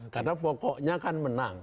karena pokoknya kan menang